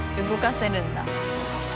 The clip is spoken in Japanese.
動かせるんだ。